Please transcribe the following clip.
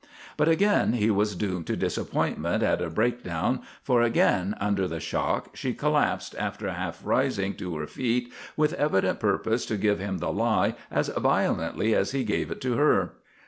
But again he was doomed to disappointment at a breakdown, for again under the shock she collapsed after half rising to her feet with evident purpose to give him the lie as violently as he gave it to her.